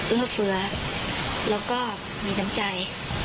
เอื้อเฟื้อแล้วก็มีน้ำใจ